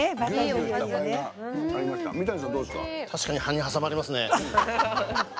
確かに歯に挟まりますね。